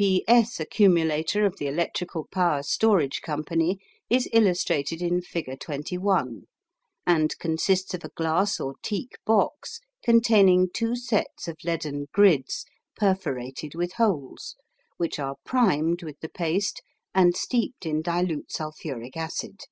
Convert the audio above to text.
P. S." accumulator of the Electrical Power Storage Company is illustrated in figure 21, and consists of a glass or teak box containing two sets of leaden grids perforated with holes, which are primed with the paste and steeped in dilute sulphuric acid.